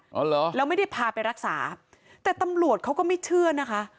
อ๋อเหรอแล้วไม่ได้พาไปรักษาแต่ตำรวจเขาก็ไม่เชื่อนะคะ